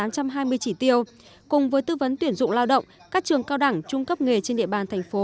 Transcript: cùng với tư vấn tuyển dụng lao động các trường cao đẳng trung cấp nghề trên địa bàn thành phố